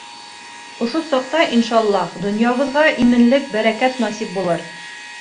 Ошо саҡта, иншаллаһ, донъябыҙға именлек, бәрәкәт насип булыр.